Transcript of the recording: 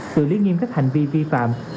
tự lý nghiêm các hành vi vi phạm